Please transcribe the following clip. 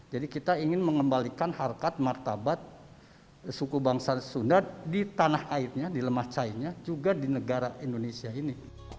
jadi kita ingin mengembalikan harkat martabat suku bangsa sunda di tanah airnya di lemah cahinya juga di negara indonesia ini